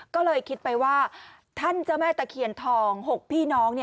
ก็เลยคิดไปว่าท่านเจ้าแม่ตะเคียนทอง๖พี่น้อง